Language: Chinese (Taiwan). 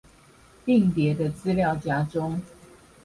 硬碟的資料夾中